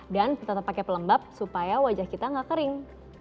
dan tetap pakai pelembab supaya wajah kita gak kering